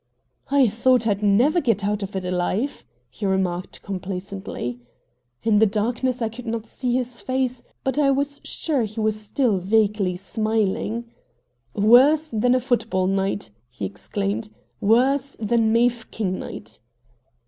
"Thought I'd never get out of it alive!" he remarked complacently. In the darkness I could not see his face, but I was sure he was still vaguely smiling. "Worse than a foot ball night!" he exclaimed; "worse than Mafeking night!"